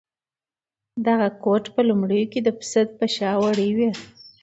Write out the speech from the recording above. دغه کوټ په لومړیو کې د پسه په شا وړۍ وې.